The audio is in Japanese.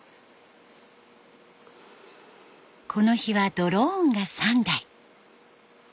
この日はドローンが３台。